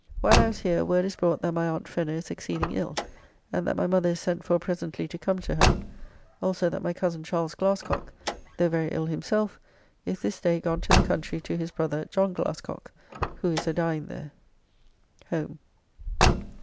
While I was here word is brought that my aunt Fenner is exceeding ill, and that my mother is sent for presently to come to her: also that my cozen Charles Glassecocke, though very ill himself, is this day gone to the country to his brother, John Glassecocke, who is a dying there. Home.